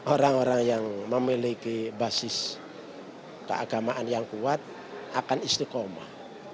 orang orang yang memiliki basis keagamaan yang kuat akan istiqomah